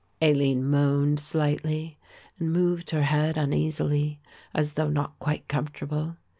Aline moaned slightly and moved her head uneasily as though not quite comfortable.